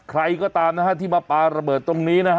ใครก็ตามนะฮะที่มาปลาระเบิดตรงนี้นะฮะ